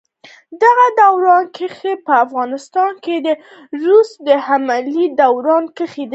دغه دوران کښې په افغانستان د روس د حملې دوران کښې